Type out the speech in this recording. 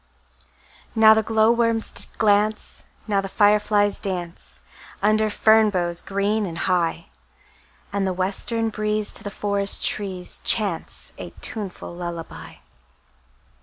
Now the glowworms glance, Now the fireflies dance, Under fern boughs green and high; And the western breeze To the forest trees Chants a tuneful lullaby.